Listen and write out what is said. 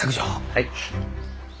はい。